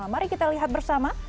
mari kita lihat bersama